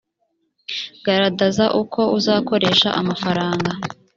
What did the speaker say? garadaza uko uzakoresha amafaranga